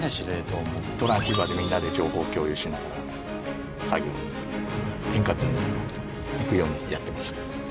トランシーバーでみんなで情報共有しながら作業に円滑にいくようにやってますね。